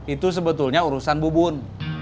itu sebetulnya urusan bu bun